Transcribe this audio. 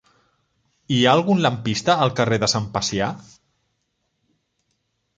Hi ha algun lampista al carrer de Sant Pacià?